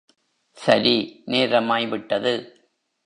சரி, நேரமாய் விட்டது.